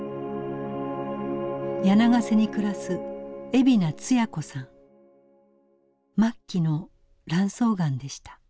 柳ケ瀬に暮らす末期の卵巣がんでした。